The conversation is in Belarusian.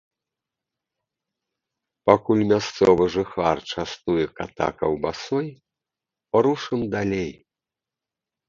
Пакуль мясцовы жыхар частуе ката каўбасой, рушым далей.